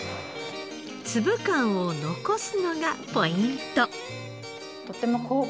粒感を残すのがポイント。